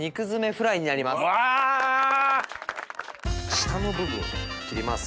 下の部分を切ります。